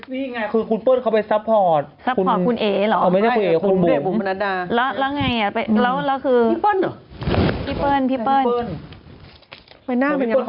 มึงก็บ้าอย่างจริงมึงเอาอะไรมาให้ท่านเจอ๑๐นาทีเนี่ย